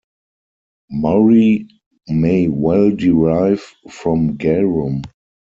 Murri may well derive from garum.